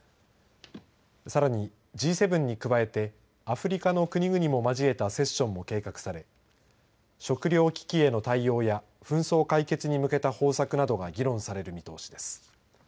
さらに、Ｇ７に加えてアフリカの国々も交えたセッションも計画され食料危機への対応や紛争解決に向けた方策などが議論される見通しです。